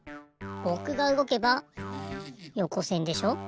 ぼくがうごけばよこせんでしょ。